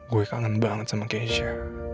gue kangen banget sama keisha